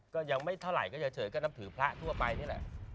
ก็ยังไม่เท่าไหร่ก็เฉยก็นับถือพระทั่วไปนี่แหละ